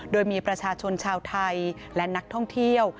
โดยมีประชาชนชาวไทยและนักท่องเที่ยว